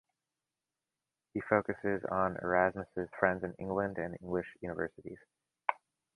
He focuses on Erasmus' friends in England and English universities.